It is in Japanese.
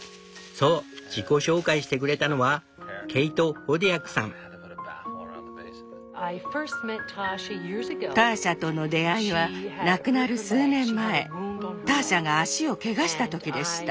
そう自己紹介してくれたのはターシャとの出会いは亡くなる数年前ターシャが足をけがしたときでした。